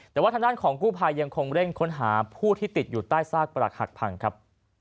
แต่ว่าทางด้านของกู้ภัยยังคงเร่งค้นหาผู้ที่ติดอยู่ใต้ซากปรักหักพังครับ